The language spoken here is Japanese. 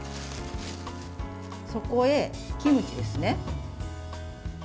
そこへ、キムチです。